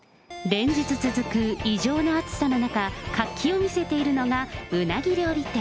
連日続く異常な暑さの中、活気を見せているのがうなぎ料理店。